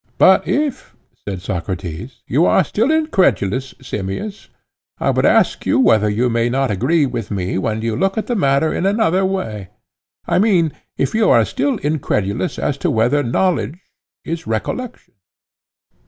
(Compare Meno.) But if, said Socrates, you are still incredulous, Simmias, I would ask you whether you may not agree with me when you look at the matter in another way;—I mean, if you are still incredulous as to whether knowledge is recollection.